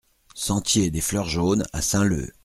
Sentier des Fleurs Jaunes à Saint-Leu